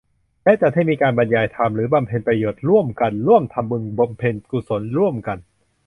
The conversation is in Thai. และจัดให้มีการบรรยายธรรม หรือบำเพ็ญประโยชน์ร่วมกัน ร่วมทำบุญ บำเพ็ญกุศลร่วมกัน